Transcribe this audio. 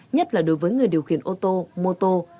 nhất là đối với người điều khiển ô tô mô tô